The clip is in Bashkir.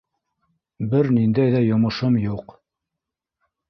Бер ниндәй ҙә йомошом юҡ.